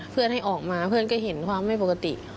ให้ออกมาเพื่อนก็เห็นความไม่ปกติ